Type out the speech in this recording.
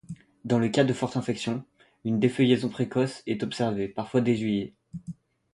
Dans les cas de forte infection, une défeuillaison précoce est observée, parfois dès juillet.